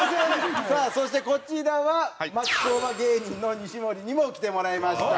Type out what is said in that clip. さあそしてこちらは町工場芸人の西森にも来てもらいました。